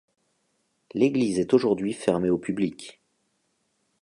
L'église est aujourd'hui fermée au public.